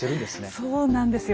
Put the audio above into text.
そうなんですよ